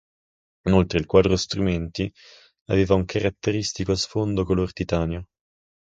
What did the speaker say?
Inoltre il quadro strumenti aveva un caratteristico sfondo color titanio.